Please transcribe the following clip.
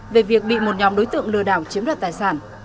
về việc bị một nhóm đối tượng lừa đảo chiếm đoạt tài sản